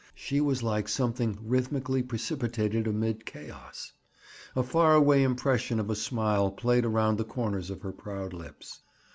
She was like something rhythmical precipitated amid chaos. A far away impression of a smile played around the corners of her proud lips.